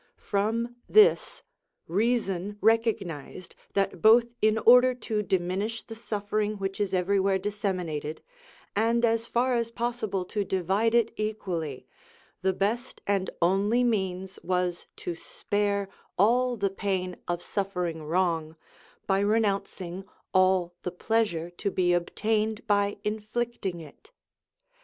From this reason recognised that both in order to diminish the suffering which is everywhere disseminated, and as far as possible to divide it equally, the best and only means was to spare all the pain of suffering wrong by renouncing all the pleasure to be obtained by inflicting it.